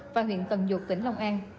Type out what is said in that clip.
và huyện tần dục tỉnh long an